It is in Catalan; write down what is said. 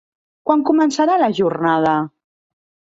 Quan començarà la jornada?